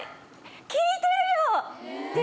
効いてるよ！